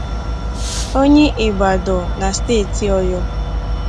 onye Ibadan na steeti Ọyọ